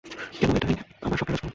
কেনো, এইটা আমার স্বপ্নের রাজকুমার।